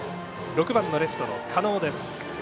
６番のレフトの狩野です。